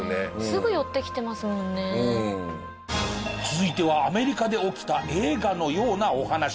続いてはアメリカで起きた映画のようなお話。